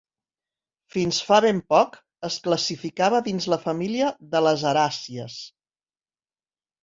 Fins fa ben poc es classificava dins la família de les aràcies.